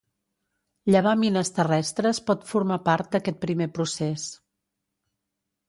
Llevar mines terrestres pot formar part d'aquest primer procés.